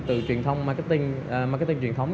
từ marketing truyền thống